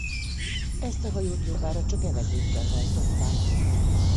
Ezt a hajót jobbára csak evezőkkel hajtották.